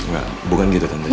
engga bukan gitu tante